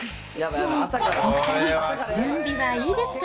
お２人、準備はいいですか。